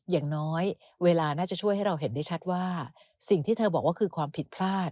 อย่างน้อยเวลาน่าจะช่วยให้เราเห็นได้ชัดว่าสิ่งที่เธอบอกว่าคือความผิดพลาด